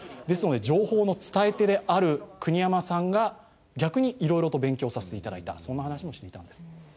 ですので情報の伝え手である国山さんが逆にいろいろと勉強させて頂いたそんな話もしていたんです。